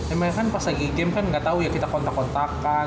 emangnya kan pas lagi game kan nggak tahu ya kita kontak kontakan